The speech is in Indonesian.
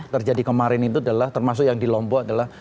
terjadi kemarin itu adalah termasuk yang di lombok adalah